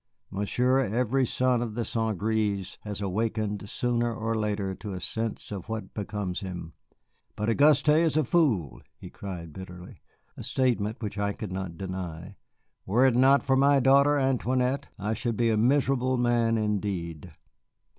Monsieur, every son of the St. Grés has awakened sooner or later to a sense of what becomes him. But Auguste is a fool," he cried bitterly, a statement which I could not deny; "were it not for my daughter, Antoinette, I should be a miserable man indeed."